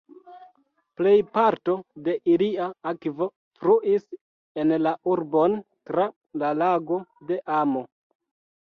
Plejparto de ilia akvo fluis en la urbon tra la Lago de Amo.